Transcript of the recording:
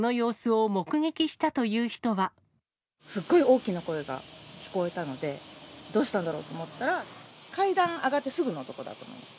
すっごい大きな声が聞こえたので、どうしたんだろう？と思ったら、階段上がってすぐのとこだと思います。